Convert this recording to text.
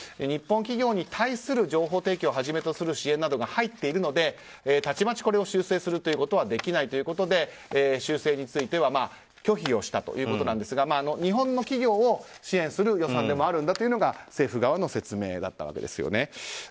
日本企業に対する情報提供をはじめとする支援が入っているのでたちまちこれを修正することはできないということで修正については拒否をしたということなんですが日本の企業を支援する予算でもあるんだというのが政府側の説明だったわけです。